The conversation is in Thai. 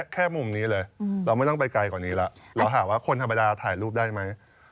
แค่มุมนี้เลยเราไม่ต้องไปไกลกว่านี้แล้วเราหาว่าคนธรรมดาถ่ายรูปได้ไหม